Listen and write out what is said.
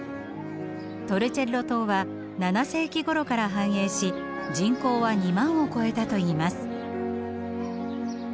トルチェッロ島は７世紀ごろから繁栄し人口は２万を超えたといいます。